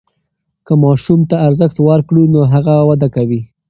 که ماسوم ته ارزښت ورکړو نو هغه وده کوي.